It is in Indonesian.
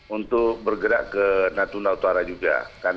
untuk bergerak ke natuna utara juga